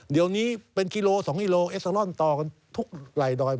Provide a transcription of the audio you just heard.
เดี๋ยวนี้เป็นกิโล๒กิโลเอสเตอรอนต่อกันทุกไหล่ดอย